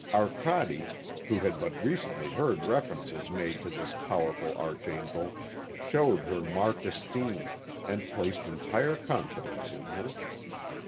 Arcade, who had but recently heard references made to this powerful archangel, showed her marked esteem, and placed entire confidence in her.